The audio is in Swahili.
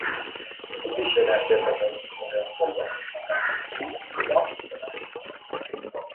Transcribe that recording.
kirutubishi aina ya beta karotini rangi ya karoti ya kiazi lishe